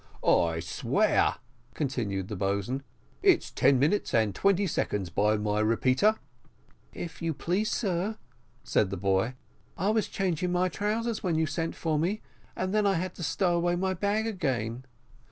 "I swear," continued the boatswain, "it's ten minutes and twenty seconds by my repeater." "If you please, sir," said the boy, "I was changing my trousers when you sent for me, and then I had to stow away my bag again."